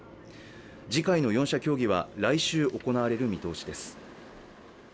次回の４者協議は来週行われる見通しです。